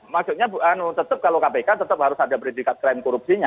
maksudnya kalau kpk tetap harus ada predikat keren korupsinya